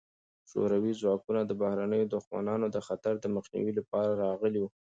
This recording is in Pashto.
شوروي ځواکونه د بهرنیو دښمنانو د خطر د مخنیوي لپاره راغلي وو.